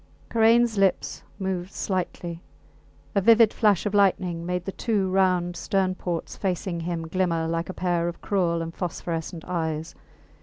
Karains lips moved slightly. A vivid flash of lightning made the two round stern ports facing him glimmer like a pair of cruel and phosphorescent eyes.